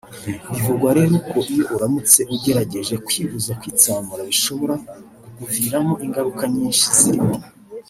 bivugwa rero ko iyo uramutse ugerageje kwibuza kwitsamura bishobora kukuviramo ingaruka nyinshi zirimo